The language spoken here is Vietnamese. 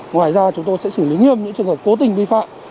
ngoài ra chúng tôi sẽ xử lý nghiêm những trường hợp cố tình vi phạm